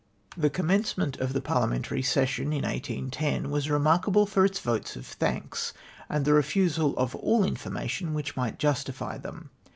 The commencement of the paihamentary session in 1810, was remarkable for its votes of thanks, and the refusal of all information which might ju. tify them.